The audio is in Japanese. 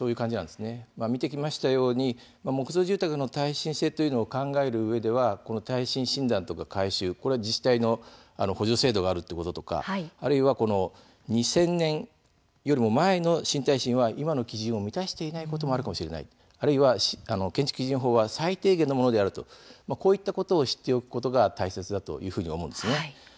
見てきましたように木造住宅の耐震性を考えるうえでは耐震診断や改修、これは自治体の補助制度があること２０００年よりも前の新耐震は今の基準を満たしていないこともあるかもしれない建築基準法は最低限のものであることこういったことを知っておくことが大切だというふうに思います。